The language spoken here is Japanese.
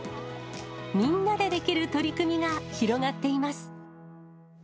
みんなでできる取り組みが広がっています。